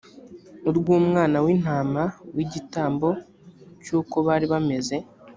urw umwana w intama w igitambo cy uko bari bameze